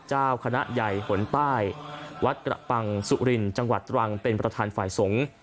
เจ้าคณะใหญ่หนใต้วัดกระปังสุรินจังหวัดตรังเป็นประธานฝ่ายสงฆ์